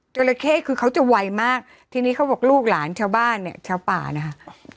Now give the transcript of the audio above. ระเข้คือเขาจะไวมากทีนี้เขาบอกลูกหลานชาวบ้านเนี่ยชาวป่านะคะ